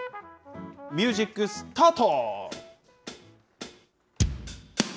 ミュージックスタート！